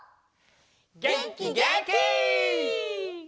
げんきげんき！